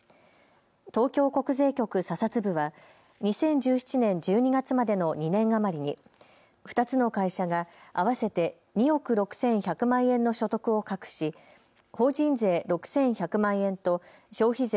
東京国税局査察部は２０１７年１２月までの２年余りに２つの会社が合わせて２億６１００万円の所得を隠し法人税６１００万円と消費税